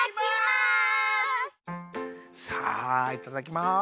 さあいただきます。